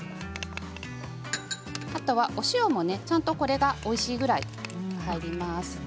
あとは、お塩もこれはおいしいぐらい入ります。